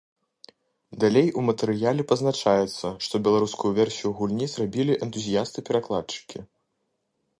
Далей у матэрыяле пазначаецца, што беларускую версію гульні зрабілі энтузіясты-перакладчыкі.